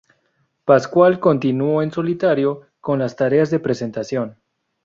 Pascual continuó en solitario con las tareas de presentación.